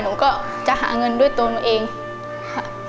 หนูก็จะหาเงินด้วยตัวหนูเองค่ะ